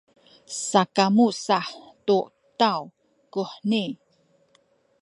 sakamu sa tu taw kuheni.